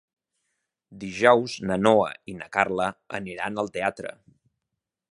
Dijous na Noa i na Carla aniran al teatre.